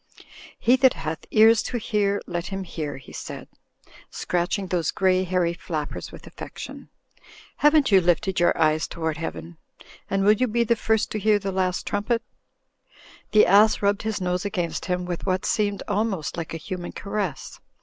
'Tie that hath ears to hear, let him hear," he said, scratching those grey hairy flappers with affection. "Haven't you lifted your ears toward Heaven ? And will you be the first to hear the Last Trumpet?" The? ass rubbed his nose against him with what seemed almost like a human caress.